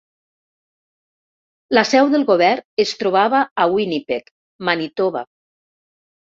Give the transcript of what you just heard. La seu del govern es trobava a Winnipeg, Manitoba.